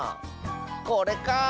これか！